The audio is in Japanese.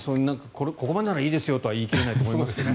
ここまでならいいですよとは言い切れないと思いますけど。